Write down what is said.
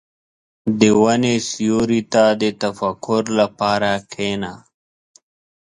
• د ونې سیوري ته د تفکر لپاره کښېنه.